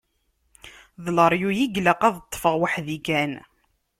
D leryuy i ilaq ad ṭṭfeɣ weḥd-i kan.